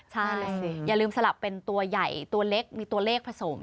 ใช่อย่าลืมสลับเป็นตัวใหญ่ตัวเล็กมีตัวเลขผสม